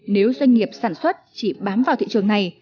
nếu doanh nghiệp sản xuất chỉ bám vào thị trường này